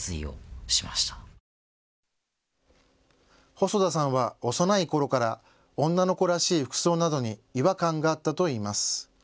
細田さんは幼いころから女の子らしい服装などに違和感があったといいます。